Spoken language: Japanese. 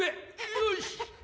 よし。